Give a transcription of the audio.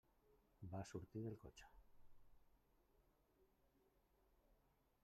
Va sortir del cotxe.